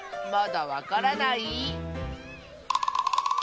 まだわからない？